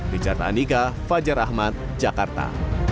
richard andika fajar ahmad jakarta